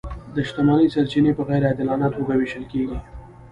د شتمنۍ سرچینې په غیر عادلانه توګه وېشل کیږي.